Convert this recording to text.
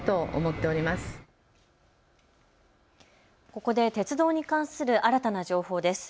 ここで鉄道に関する新たな情報です。